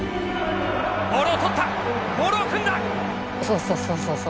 ボールを取ったモールを組んだ。